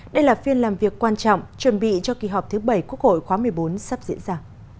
đây là phiên làm việc quan trọng chuẩn bị cho kỳ họp thứ bảy quốc hội khóa một mươi bốn sắp diễn ra